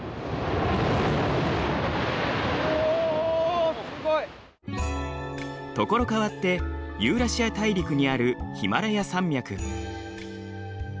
おすごい！所変わってユーラシア大陸にあるヒマラヤ山脈。